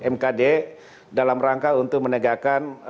mkd dalam rangka untuk menegakkan